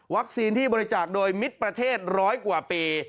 ที่บริจาคโดยมิตรประเทศร้อยกว่าปี